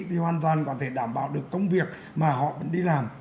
thì hoàn toàn có thể đảm bảo được công việc mà họ vẫn đi làm